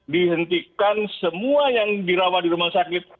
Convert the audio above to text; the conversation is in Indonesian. dihentikan semua yang dirawat di rumah sakit